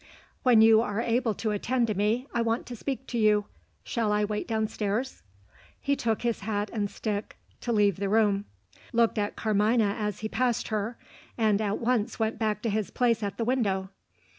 "When you are able to attend to me, I want to speak to you. Shall I wait downstairs?" He took his hat and stick to leave the room; looked at Carmina as he passed her; and at once went back to his place at the window.